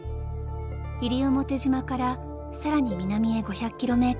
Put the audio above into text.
［西表島からさらに南へ５００ｋｍ］